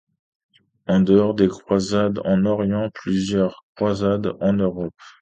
En dehors des croisades en Orient, plusieurs croisades en Europe.